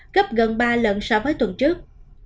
gấp gần ba lần so với tuần trước